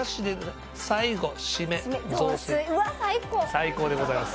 最高でございます。